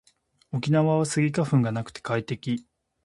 沖縄はスギ花粉がなくて快適